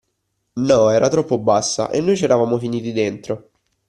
No, era troppo bassa, e noi ci eravamo finiti dentro.